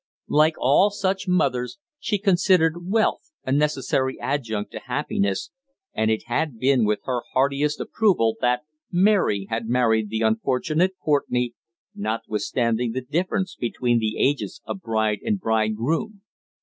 Like all such mothers, she considered wealth a necessary adjunct to happiness, and it had been with her heartiest approval that Mary had married the unfortunate Courtenay, notwithstanding the difference between the ages of bride and bridegroom.